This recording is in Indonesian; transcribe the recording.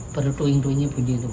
perlu tuing tuingnya bunyi itu pak